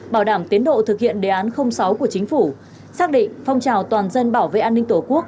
bảo đảm tiến độ thực hiện đề án sáu của chính phủ xác định phong trào toàn dân bảo vệ an ninh tổ quốc